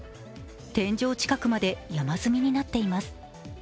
天井近くまで山積みになっています。